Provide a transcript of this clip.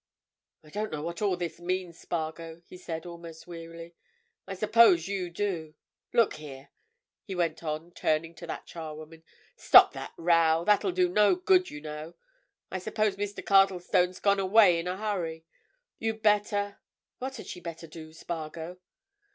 "I don't know what all this means, Spargo," he said, almost wearily. "I suppose you do. Look here," he went on, turning to the charwoman, "stop that row—that'll do no good, you know. I suppose Mr. Cardlestone's gone away in a hurry. You'd better—what had she better do, Spargo?"